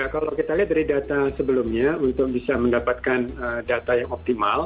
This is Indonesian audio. kalau kita lihat dari data sebelumnya untuk bisa mendapatkan data yang optimal